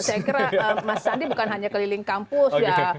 saya kira mas sandi bukan hanya keliling kampus ya